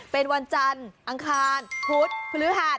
เป็นวันจันทร์อังคารพุธพฤหัส